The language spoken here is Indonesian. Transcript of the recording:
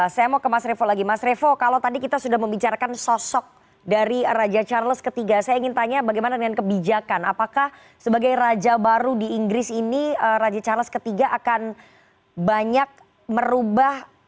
saya mau ke mas revo lagi mas revo kalau tadi kita sudah membicarakan sosok dari raja charles iii saya ingin tanya bagaimana dengan kebijakan apakah sebagai raja baru di inggris ini raja charles iii akan banyak merubah